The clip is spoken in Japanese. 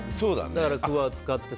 だから、くわ使ってさ。